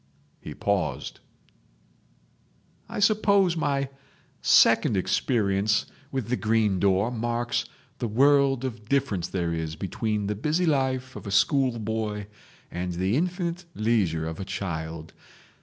.... He paused. "I suppose my second experience with the green door marks the world of difference there is between the busy life of a schoolboy and the infinite leisure of a child.